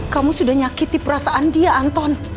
kamu sudah nyakitnewperasaan dia anton